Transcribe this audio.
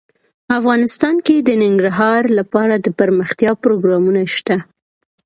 افغانستان کې د ننګرهار لپاره دپرمختیا پروګرامونه شته.